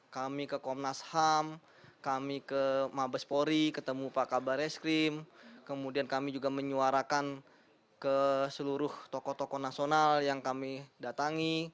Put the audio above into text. kami ke komnas ham kami ke mabespori ketemu pak kabar eskrim kemudian kami juga menyuarakan ke seluruh tokoh tokoh nasional yang kami datangi